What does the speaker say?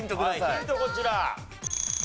ヒントこちら。